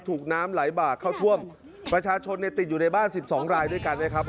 ถูกน้ำไหลบากเข้าท่วมประชาชนเนี่ยติดอยู่ในบ้าน๑๒รายด้วยกันนะครับ